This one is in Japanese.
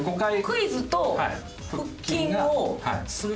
クイズと腹筋をする？